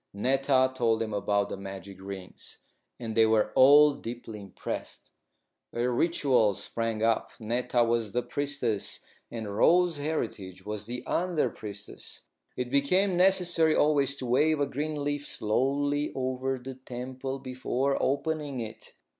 Netta told them about the magic rings, and they were all deeply impressed. A ritual sprang up. Netta was the priestess and Rose Heritage was the under priestess. It became necessary always to wave a green leaf slowly over the temple before opening it.